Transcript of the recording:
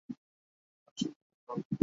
নিলাম শীঘ্রই শুরু হবে।